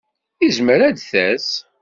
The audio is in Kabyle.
Izmer ad d-tas.